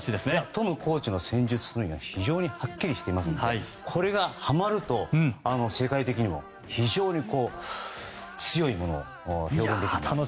トムコーチの戦術は非常にはっきりしていますのでこれがはまると世界的にも非常に強いものになると思います。